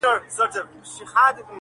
پلټنه د کور دننه پيل کيږي